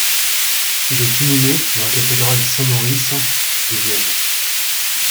Il est inhumé dans la cathédrale Saint-Maurice de Vienne.